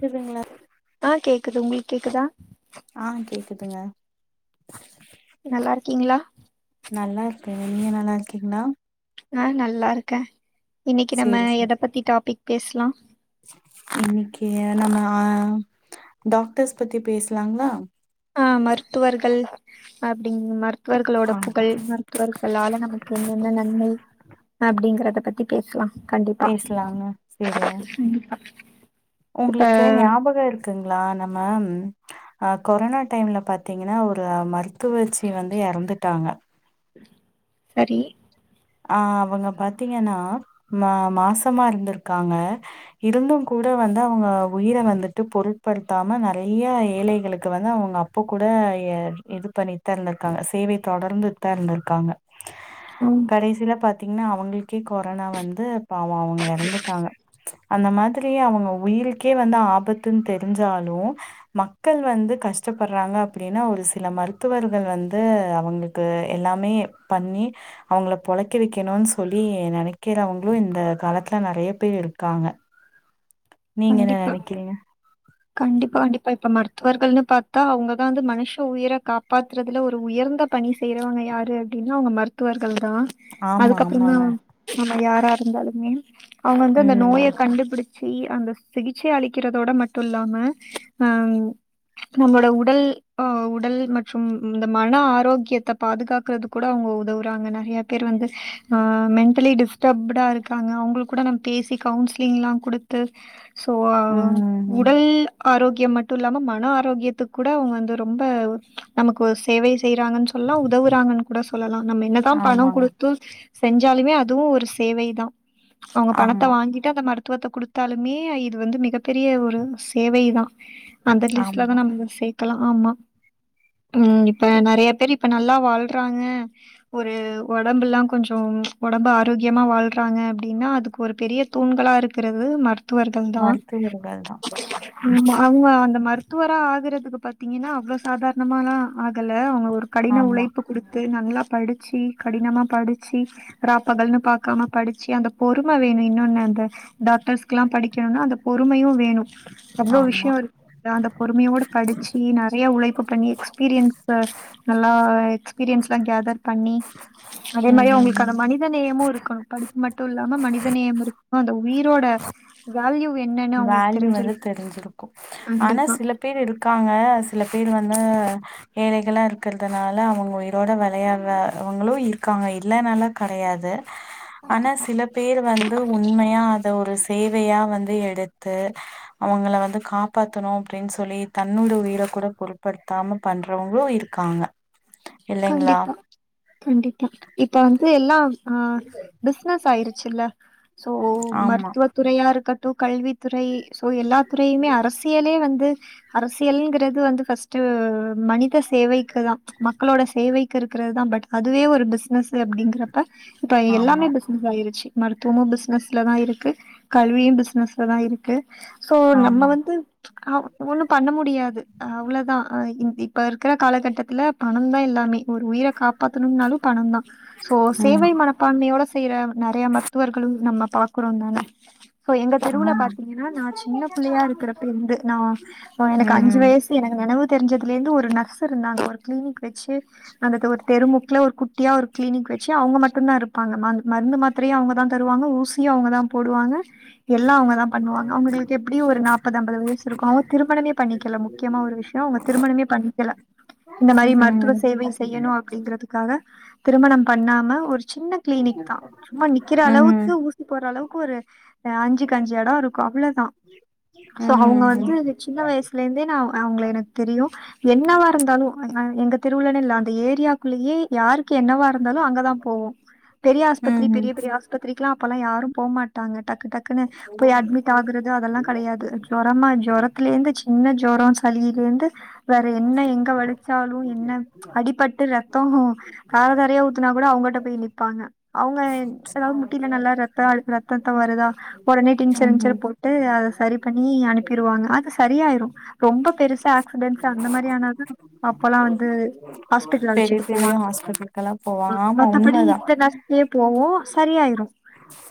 கேக்குதுங்களா ஆ கேக்குது உங்களுக் கேக்குதா ஆ கேக்குதுங்க நல்லா இருக்கீங்களா நல்லா நீங்க நல்லா இருக்கீங்களா ஆ நல்லா இருக்கே இன்னைக்கு நம்ம சேரி சேரி எத பத்தி டாபிக் பேசலா இன்னைக்கு நம்ம ஆ டாக்டர்ஸ் பத்தி பேசலாங்களா ஆ மருத்துவர்கள் அப்டிங்கமர் மருத்துவர்களோட ஆ புகழ் மருத்துவர்களால நமக்கு என்னென்ன நன்மை அப்டிங்கறத பத்தி பேசலா கண்டிப்பா பேசலாங்க சேரிங்க கண்டிப்பா உங்களுக்கு ஞாபகம் இருக்குங்களா நம்ம ஆ கொரோனா டைம்ல பாத்தீங்கன்னா ஒரு மருத்துவச்சி வந்து எறந்துட்டாங்க சரி ஆ அவுங்க பாத்தீங்கன்னா மா மாசமா இருந்திருக்காங்க இருந்தும் கூட வந்து அவங்க உயிர வந்துட்டு பொருட்படுத்தாம நெறைய ஏழைகளுக்கு வந்து அவுங்க அப்ப கூட இது பண்ணிட்டு தா இருந்திருக்காங்க சேவை தொடர்ந்து தா இருந்திருக்காங்க ம் கடைசில பார்த் த்தீங்கன்னா அவங்களுக்கே கொரோனா வந்து பாவும் அவுங்க எறந்துட்டாங்க அந்த மாதிரியே அவுங்க உயிருக்கே வந்து ஆபத்துன்னு தெரிஞ்சாலு மக்கள் வந்து கஷ்டப்படுறாங்க அப்டின்னா ஒரு சில மருத்துவர்கள் வந்து அவுங்களுக்கு எல்லாமே பண்ணி அவங்கள பொழைக்கவெக்கணும்ன்னு சொல்லி நினைக்கிறவங்களும் இந்த காலத்துல நெறைய பேர் இருக்காங்க நீங்க என்ன கண்டிப்பா நினைக்கிறீங்க கண்டிப்பா கண்டிப்பா இப்ப மருத்துவர்கள்ன்னு பார்த்தா அவுங்கதா வந்து மனுஷ உயிர காப்பாத்துறதுல ஒரு உயர்ந்த பணி செய்றவங்க யாரு அப்படின்னா அவுங்க மருத்துவர்கள் தா ஆமா அதுக்கப்புற தா ஆமாங்க நம்ம யாரு ரா இருந்தாலுமே அவுங்க வந்து அந்த நோய ம் கண்டுபிடிச் சி அந்த சிகிச்சை அளிக்கிறதோட மட்டு இல்லாம அ நம்மோட உடல் அ உடல் மற்றும் இந்த மன ஆரோக்கியத்த பாதுகாக்கறது கூட அவுங்க உதவுறாங்க நெறைய பேர் வந்து அ மென்டலி டிஸ்டர்ப்டா இருக்காங்க அவங்களுக்கு கூட நம்ம பேசி கவுன்சிலிங்ல்லா குடுத்து சோ ம் உடல் ஆரோக்கியம் மட்டு இல்லாம மன ஆரோக்கியத்துக்கு கூட அவுங்க வந்து ரொம்ப நமக்கு சேவை செய்யறாங்கன்னு சொல்லலா உதவுறாங்கன்னு கூட சொல்லலா நம்ம என்னதா பணம் ஆமாங்க குடுத்து செஞ்சாலுமே அதுவு ஒரு சேவை தா அவுங்க பணத்த ஆமா வாங்கிட்டு அத மருத் தத்துவத்த கொடுத்தாலுமேஐ இது வந்து மிகப் பெரிய ஒரு சேவை தா அந்த லிஸ்ட்ல தா ஆமா நம்ப சேக் க்கலா ஆமா ம் இப்ப இப் நெறையா பேரு ப் இப்ப நல்லா வாள்றாங்க ஒரு ஒடம்புல்லா கொஞ்சொ ஒடம்பு ஆரோக்கியமா வாள்றாங்க அப்டின்னா அதுக்கு ஒரு பெரிய தூண்களா இருக்கறது மருத்துவர் ட்டுந்தா மருத்துவர்கள் தா ம் ஆமா அந்த மருத்துவரா ஆகுறதுக்கு பத் த்தீங்கன்னா அவ்ளோ சாதார்ணமாலா ஆகல அவங்க ஒரு கடின ஆமா உழைப்பு குடுத்து நல்லாப் படிச்சி கடினமா படிச்சி ராப்பகல்னு பாக்காம படிச்சி அந்தக் பொறும வேணு இன்னொன்னு அந்த டாக்டர்ஸ்குலா படிக் கணுன்னா அந்த பொறுமையு வேணு அவ்ளோ ஆமா விஷயொ இருக் அந்த பொறுமையோட படிச்சி நெறையா உழைப்பு பண்ணி எக்ஸ்பீரியன்சு நல்லா எக்ஸ்பீரியன்ஸ்லா கேதர் பண்ணி அதே ம் மாரி ம் ம் அவுங்களுக்கான மனித நேயமு இருக் க்கணு படிப்பு மட்டு இல்லாம மனிதநேயம் இருக்கும் அந்த உயிரோட வேல்யூ என்னன்னு அவங்களுக்கு வேல்யூ வந்து தெரிஞ்சிருக்கு தெரிஞ்சிருக்கு ஆனா கண்டிப்பா சில பேர் இருக்காங்க சில பேர் வந் ந்து ஏழைகளா இருக்கற்துனால அவங்க உயிரோட வெளையாட்ற அவங்களு இருக்காங்க இல்லன்னுலா கெடையாது ஆனா சில பேர் வந்து உண்மையா அத ஒரு ச தேவையா வந்து எடுத் த்து அவங்கள வந்து காப்பாத்தணு அப்டின்னு சொல்லி தன்னோட உயிரக் கூட பொருட்படுத்தாம பண்றவங்களு இருக்காங்க இல்லைங்களா கண்டிப்பா கண்டிப்பா இப்ப வந்து எல்லாம் ஆ பிஸ்னஸ் ஆயிரு ச்சில்ல சோ ஆமா, மருத்துவ துறையா இருக்கட்டு கல்வித் துறை சோ எல்லா துறையுமே அரசியலே வந்து து அரசியல்ங்கிறது வந்து பஃஸ்டு மனித ச சேவைக்குதா மக் மக்களோட சேவைக்கு இருக்கறது தா பட் அதுவே ஒரு பிஸ்னஸ் அப்படிங்கறப்ப இப்ப ஆமா, எல்லாமே பிஸ்னஸ் ஆயிருச்சு மருத்துவமு பிஸ்னஸ்ல தா இருக்கு கல்வியு பிஸ்னஸ் லதா இருக்கு சோ நம்ம ஆமா. வந்து அ ஒ ஒண்ணு பண்ண முடியாது அவ்ளோதா அ இந் இப்ப இருக்கற காலகட்டத்துல பணோந்தா எல்லாமே ஒரு உயிரக் காப்பாத்தணுன்னாலு பணோந்தா சோ ம். சேவை மனப்பான்மையோட ச செய்யற நெறைய மருத்துவர்களும் நம்ம பாக்குறோந்தான சோ எங்க தெருவுல ஆமா. பாத்தீங்கன்னா நா சின்ன புள்ளையா இருக்கறப்பருந்து நா எனக்கு அஞ்சு ம். வயசு எனக்கு நெனவு தெரிஞ்சதுலேருந்து ஒரு நர்ஸ் இருந்தாங்க ஒரு கிளினிக் வெச்சு அந்த தொ தெருமுக்ல ஒரு குட்டியா ஒரு கிளினிக் வெச்சு அவங்க மட்டுந்தா இருப் ப்பாங்க மருந் மருந்து மாத்திரையு அவுங்கதா தருவாங்க ஊசியு அவுங்கதா போடுவாங்க எல்லா அவுங்கதா பண்ணுவாங்க அவுங்களுக்கு எப்டியு ஒரு நாப்பது அம்பது வயசு இருக்கும் அவங்க திருமணமே பண்ணிக்கல முக்கியமா ஒரு விஷயொ அவங்க திருமணமே பண்ணிக்கல இந்த மாரி மருத்துவ ம். சேவை செய்யணு அப்படிங்கறதுக்காக திருமணம் பண்ணாம ஒரு சின்ன கிளினிக் தா சும்மா நிக்குற அளவுக்கு ம். ஊசி போற்ற அளவுக்கு ஒரு ஆ அஞ்சுக்கு அஞ்சு எடொ இருக்கும் அவ்ளோதா சோ அவுங்க ம். ம். வந்து சின்ன வயஸ்லருந்தே நா அவுங்கள எனக்கு தெரியு என்னவா இருந்தாலு நா எங்க தெருவுலன்னுல்ல அந்த ஏரியாக்குள்ளேயே யாருக் க்கு என்னவா இருந்தாலு அங்கதா போவோ பெரிய ம் ஆஸ்பித்திரி ம் பெரிய பெரிய ஆஸ்பித்திரி க்கே அப்பெல்லா யாரும் போ மாட்டாங்க டக்கு டக்குன்னு போய் அட்மிட் ஆகுறது அதெல்லா கெடையாது ஜொரமா ஜொரத்துலேந்து சின்ன ஜொ ஜொறொ சலிலருந்து வேற என்ன எங்க வலிக் ன்னாலு என்ன அடிபட்டு ரத்தொ தார தாரையா ஊத்துனாக் கூட அவுங்கிட்ட போய் நிப்பாங்க அவுங்க அதாவது முட்டில நல்லா ரத்தொ அழு ரத்தத்தொ வருதா ஒடனே டின்ச்சர் ம் ம் இன்ச்சர் போட்டு அத ச சரி பண்ணி அனுப்பிருவாங்க அது சரியாயிரு ரொம்ப பெருசா ஆக்சிடென்ஸ் அந்த மாரி ஆனாதா அப்பல்லா வந்து ஹாஸ்பிட்டல் பெரிய அழச்சிட்டு பெரிய போவாங்க ஹாஸ்பிட்டலுகெல்லா போவாங்க ஆமா மத்தபடி உண்மதா இந்த நர்ஸ்லயே போவோ சரியாயிரு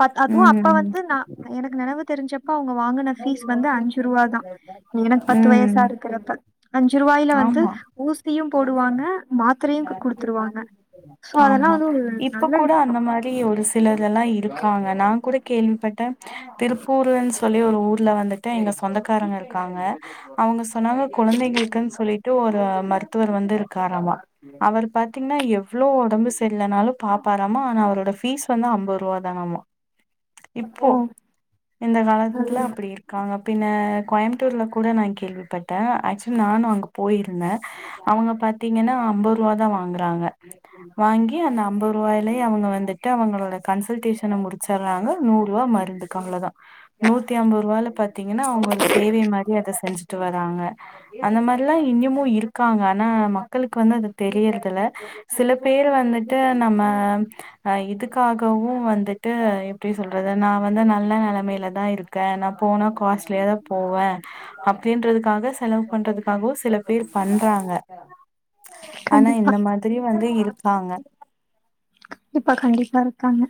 பத் அதுவு அப்ப ம் வந்து நா எனக் நெனவு தெரிஞ்சப்ப அவுங்க வாங்குன ஃபீஸ் வந்து அஞ்சு ரூபா தான் எனக்கு பத்து ம் வயசா இருக்கரப்பா அஞ்சு ரூபாயில வந்து ஆமா ஊசியும் போடுவாங்க மாத் அதெல்லா ஆமா வந்து ஒரு இப்ப நல்ல கூட விஷயோ அந்த மாரி ஒரு சிலதெல்லாம் இருக்காங்க நான் கூட கேள்விப்பட்டே திருப்பூர்லன்னு சொல்லி ஒரு ஊர்ல வந்துட்டு எங்க சொந்தக்காரங்க இருக்காங்க அவுங்க சொன்னாங்க குழந்தைங்களுக்குன்னு சொல்லிட்டு ஒரு மருத்துவர் வந்து இருக்காரமா அவர் பாத்தீங்கன்னா எவ்வளவு உடம்பு செரியல்லனாலும் பாப்பாராமா ஆனா அவரோட ஃபீஸ் வந்து அம்பது ரூபா தானாமா இப்போ ஓ இந்த காலத்துல அப்டி இருக்காங்க ஹ கோயம்புத்தூர்ல கூட நான் கேள்விப்பட்டேன் ஆக்சுவலி நானும் அங்கே போயிருந்தேன் அவங்க பார்த்தீங்கன்னா அம்பது தா வாங்றாங்க வாங்கி அந்த அம்பது ரூவாயிலய அவுங்க வந்துட்டு அவங்களோட கன்சல்டேஷன முடிச்சுர்றாங்க நூறு ரூபா மருந்துக்கு அவ்ளோ தா நூத்தி அம்பது ரூவால பாத்தீங்கன்னா அவுங்க ஒரு சேவை மாரி அத செஞ்சுட்டு வராங்க அந்த மாரில்லா இன்னுமும இருக்காங்க ஆனா மக்களுக்கு வந்து தெரியறதுல சில பேர் வந்துட்டு நம்ம ஆ இதுக்காகவு வந்துட்டு எப்டி சொல்றது நா வந்து நல்ல நெலைமையில தா இருக்கே நா போனா காஸ்ட்லியா தா போவே அப்டின்றதுக்காக செலவு பண்றதுக்காகவு சில பேர் பண்றாங்க ஆனா கண்டிப்பா இந்த மாதிரி வந்து இருக் பாங்க கண்டிப்பா கண்டிப்பா இருக்காங்க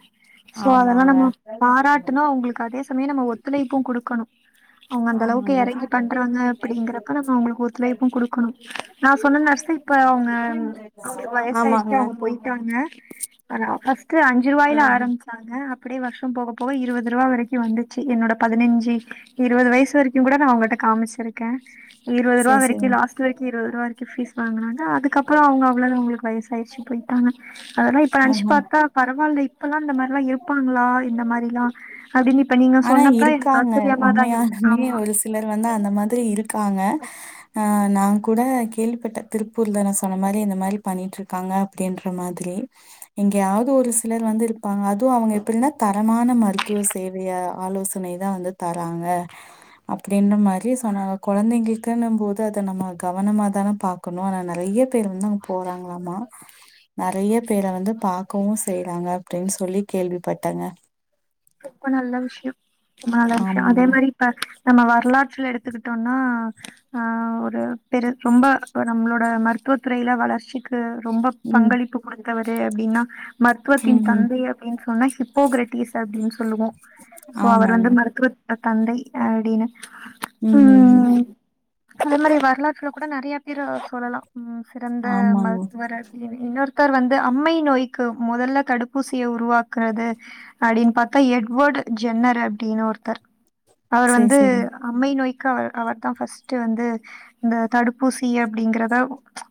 சோ அதெல்லாம் ஆமாங்க நம்ம பாராட்டணும் அவங்களுக்கு அதே சமயம் நம்ம ஒத்துழைப்பும் கொடுக்கணும் அவுங்க அந்த அளவுக்கு ஆமாங்க எறங்கி பண்றாங்க அப்படிங்கரப்ப நம்ம அவங்களுக்கு ஒத்துலைப்பு குடுக்கணு நா சொன்ன நர்ஸ் இப்ப அவுங்க அவங்களுக்கு வயசாயிடுச்சி ஆமாங்க அவுங்க போயிட்டாங்க ஃபஸ்ட் அஞ்சு ரூவாயில ஆஹ ஆரம்முச்சாங்க அப்படியே வருஷம் போக போக இருபது ரூபா வரைக்கும் வந்துச்சு என்னோட பதினஞ்சு இருபது வயசு வரைக்கும் கூட நான் உங்கிட்ட காமிச்சிருக்கேன் இருவது ரூவா சேர் வரைக்கு சேரிங்க லாஸ்ட் வரைக்கு இருவது ரூபா வரைக்கு பீஸ் வாங்கனாங்க அதுக்கப்றோ அவுங்க அவ்ளோதா அவுங்களுக்கு வயசாயிடுச்சி போயிட்டாங்க அதெல்லா இப் இப்ப நெனைச்சு ஆஹ பாத்தா பரவால்ல இப்பல்லா இந்த மாரில்லா இருப்பாங்களா இந்த மாரிலா அப்டினு இப்ப நீங்க ஆனா சொன்னப்ப எனக்கு இருக்காங்க. ஆச்சரியமா தா இருக்கு உண்மையாலுமே ஆமா ஒரு சிலர் வந்து அந்த மாதிரி இருக்காங்க நாங்க கூட கேள்விப்பட்ட திருப்பூர்ல நான் சொன்ன மாரி இந்த மாரி பண்ணிட்டு இருக்காங்க அப்படின்ற மாரி இங்கயாவது ஒரு சிலர் வந்து இருப்பாங்க அதுவும் அவங்க எப்படின்னா தரமான மருத்துவ சேவைய ஆலோசனைதான் வந்து தராங்க அப்படின்ற மாரி ஆனா குழந்தைங்களுக்குன்னு போது அத நம்ம கவனமா தானே பாக்கணு ஆனா நெறைய பேர் வந்து அங்க போறாங்களாமா நெறைய பேர வந்து பாக்கவு செய்றாங்க அப்டின்னு சொல்லி கேள்விப்பட்டங்க ரொம்ப நல்ல விஷயம் ரொம்ப நல்ல விஷயம் அதே ஆமாங்க. மாதிரி இப்ப நம்ம வரலாற்றில் எடுத்துக்கிட்டோம்னா ஆஹ் ஒரு பெரு ரொம்ப நம்மளோட ம மருத்துவத் துறைல வளர்ச்சிக்கு ரொம்ப ம். பங்களிப்பு கொடுத்தவர் அப்படின்னா மருத்துவத்தின் ம்ஹ்ம் தந்தை அப்படின்னு சொன்னா ஹிப்போகரட்டிஸ் அப்படின்னு சொல்லுவோம் சோ அவர் ஆமாங்க. வந்து மருத்துவ துறை தந்தை அப்டின்னு ம் ம் ம் அந்த மாரி வரலாற்றுல கூட நெறைய ஹீரோவா சொல்லலாம் ம்ம் சிறந்த ஆமாங்க. மருத்துவர் அப்பிடுன்னு இன்னொருத்தர் வந்து அம்மை நோய்க்கு முதல்ல தடுப்பூசிய உருவாக்றது அப்டின்னு பாத்தா எட்வர்ட் ஜென்னர் அப்டின்னு ஒருத்தர் அவர் சரி, வந்து சரி. அம்மை நோய்க் அவர் தா ஃபஸ்ட்டு வந்து இந்த தடுப்பூசி அப்டிங்றத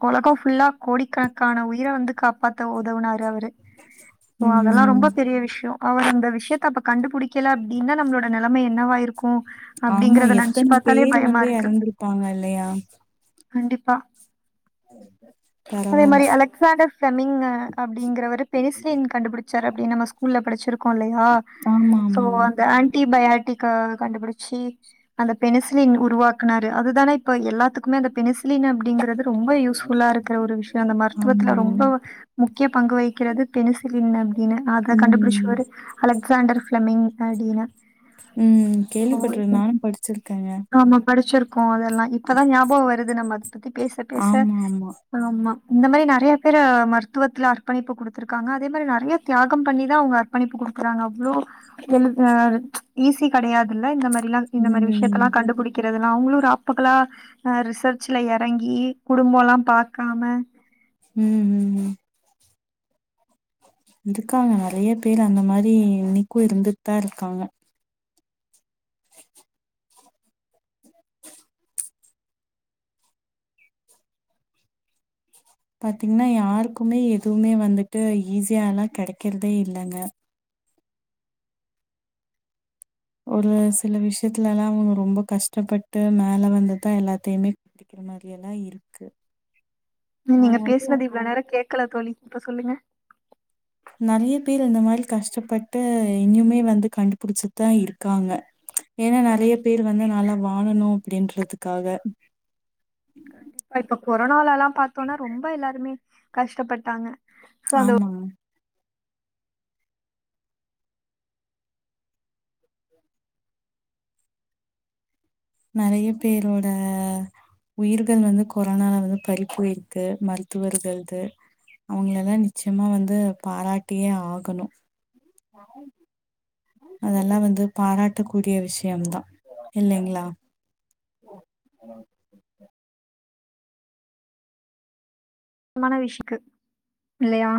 ஒலகம் ஃபுல்லா கோடிக்கணக்கான உயிர வந்து காப்பாத்த உதவுனாரு அவரு சோ அதெல்லாம் ம்ஹ்ம். ரொம்ப பெரிய விஷயம் அவர் அந்த விஷயத்த அப்ப கண்டுபிடிக்கல அப்படின்னா நம்மளோட நிலைமை என்னவா இருக்கும் ஆமா எத்தனை பேரு பயமா வந்து இருக்கு எறந்திருப்பாங்க இல்லையா கண்டிப்பா அதே பரவால்ல. மாரி அலெக்சாண்டர் ஃபெமிங் அப்டிங்கிறவரு பெனிஸ்லின் கண்டுபிடிச்சார் அப்டின்னு நம்ம ஸ்கூல்ல படிச்சிருப்போ இருக்கு இல்லையா ஆமா, சோ ஆமாங்க. அந்த ஆன்ட்டி பயாட்டிக்கு கண்டுபிடிச்சி அந்த பெனிசில உருவாக்குாரு அதுதானே இப்ப எல்லாத்துக்கும் அந்த பெசிலின் அப்படிங்கிறது ரொம்ப யூஸ்புல்லா இருக்கிற ஒரு விஷயம் அந்த மருத்துவத்துல ஆமாங்க. ரொம்ப முக்கிய பங்கு வைக்கிறது பெனசிலின் அப்படின்னு அத ம். கண்டுபிடிச்சாவரு அலெகஸாண்டர் பிலெமிங் அப்டினு ம். கேள்விப்பட்டிருக்கேன். நானும் படிச்சிருக்கேங்க. ஆமா படிச்சிருக்கோ அதெல்லாம் இப்ப தா ஞாபம் வருது நம்ம அது பத்தி பேச பேச ஆமா, ஆமா. ஆமா இந்த மாரி நெறைய பேரு மருத்துவத்துல அர்ப்பணிப்பு குடுத்ருக்காங்க அதே மாரி நெறைய தியாகம் பண்ணி தா அவுங்க படிப்பு கொடுக்குறாங்க அவளோ எ ஈஸி கிடையாது இந்த மாரி இந்த மாரி ம். விஷயத்தெல்லா கண்டுபிடிக்க தாலன் அவங்களும் ஒரு பகளா ஹ் ரிசர்ச்ல இறங்கி குடும்பம் எல்லாம் பாக்காம உம் உம் உம் இருக்காங்க நெறைய பேர் அந்த மாரி இன்னைக்கு இருந்துட் தா இருக்காங்க பாத்தீங்கன்னா யாருக்குமே எதுமே வந்துட்டு ஈஸியா எல்லா கெடைக்கிறதே இல்லைங்க ஒரு சில விஷயத்துல எல்லா ரொம்ப கஷ்டப்பட்டு மேல வந்து தா எல்லாத்தையுமே அது மாரி எல்லா இருக்கு நநீங்க ஆனாலும் பேசுது இவ்வளவு நேரம்கேட் கேக்கல தோலி இப்ப சொல்லுங்க நிறைய பேர் இந்த மாரி கஷ்டப்பட்டு இன்னிமே வந்து கண்டுபிடிச்சுதான் இருக்காங்க ஏன்னா நிறைய பேர் வந்து நால வாழணும் அப்படின்றதுக்காக கண்டிப! ‌‌ச்‌இப்ப கொரோனால எல்லாம் பார்த்தோனா ரொம்ப எல்லாருமே கஷ்டப்பட்டாங்க சோ அந்த ஆமா நிறைய பேரோட உயிர்கள் வந்து கொரோனால வந்து பறிப்புயிருக்கு மருத்துவர்களது அவங்கள எல்லாம் நிச்சயமா வந்து பாராட்டியே ஆகணும் அதெல்லா வந்து பாராட்டக்கூடிய விஷயம் தா இல்லைங்களா மான விஷுக்கு இல்லையா